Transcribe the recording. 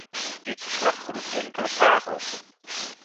Dit verslag roept enkele vragen op.